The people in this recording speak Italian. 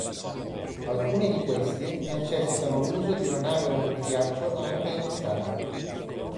Alcuni di questi necessitano l'uso di una nave rompighiaccio anche in estate.